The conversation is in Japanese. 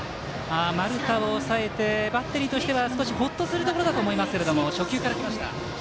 丸田を抑えてバッテリーとしてはほっとするところだと思いますが初球からきました。